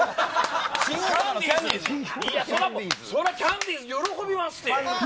そりゃキャンディーズ喜びますって。